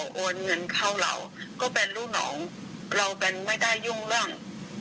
โอนเงินเข้าเราก็เป็นลูกน้องเราเป็นไม่ได้ยุ่งเรื่อง